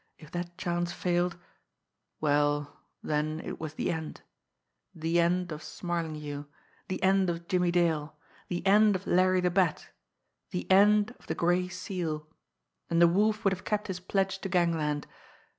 If that chance failed well, then it was the end the end of Smarlinghue, the end of Jimmie Dale, the end of Larry the Bat, the end of the Gray Seal and the Wolf would have kept his pledge to gangland.